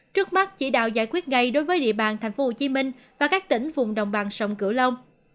trước mắt chỉ đạo giải quyết ngay đối với địa bàn thành phố hồ chí minh và các tỉnh vùng đồng bằng sông cửu long